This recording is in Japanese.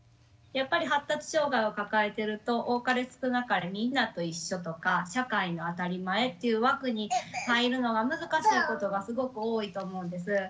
やっぱり発達障害を抱えてると多かれ少なかれみんなと一緒とか社会の当たり前という枠に入るのが難しいことがすごく多いと思うんです。